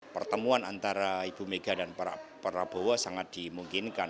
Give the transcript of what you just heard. pertemuan antara ibu mega dan pak prabowo sangat dimungkinkan